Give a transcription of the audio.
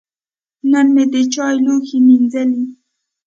نن مې د چای لوښی مینځلي.